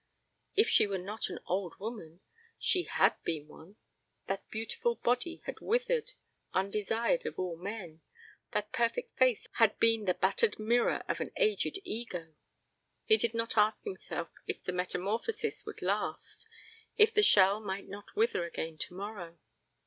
If she were not an old woman she had been one. That beautiful body had withered, undesired of all men, that perfect face had been the battered mirror of an aged ego. He did not ask himself if the metamorphosis would last, if the shell might not wither again tomorrow.